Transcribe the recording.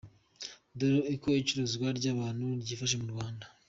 Dore uko icuruzwa ry’abantu ryifashe mu Rwanda